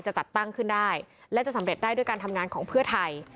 จะจัดตั้งขึ้นได้และจะสำเร็จได้ด้วยการทำงานของเพื่อไทย